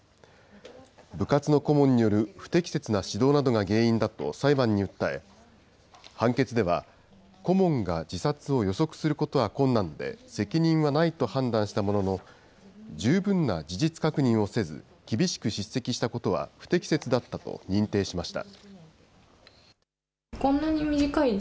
部活の顧問による不適切な指導などが原因だと裁判に訴え、判決では、顧問が自殺を予測することは困難で責任はないと判断したものの、十分な事実確認をせず、厳しく叱責したことは不適切だったと認定しました。